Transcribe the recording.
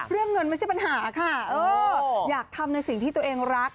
เรื่องเงินไม่ใช่ปัญหาค่ะอยากทำในสิ่งที่ตัวเองรัก